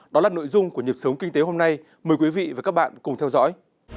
đó là nội dung của nhịp sống kinh tế hôm nay mời quý vị và các bạn cùng theo dõi